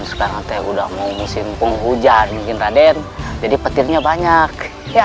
sekarang sudah musim hujan raden jadi petirnya banyak